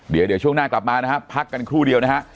เดี๋ยวช่วงหน้ากลับมานะครับพักกันครู่เดียวนะฮะ